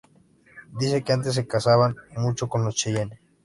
Dice que antes se casaban mucho con los Cheyenne".